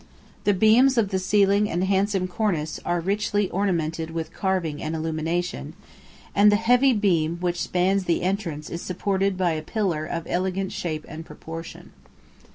The beams of the ceiling and handsome cornice are richly ornamented with carving and illumination, and the heavy beam which spans the entrance is supported by a pillar of elegant shape and proportion.